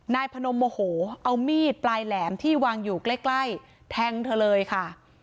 นายพนมโมโหเอามีดปลายแหลมที่วางอยู่ใกล้แทงเธอเลยค่ะ